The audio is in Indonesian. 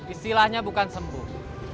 istilahnya bukan sembuh